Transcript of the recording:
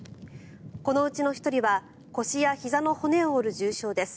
このうちの１人は腰やひざの骨を折る重傷です。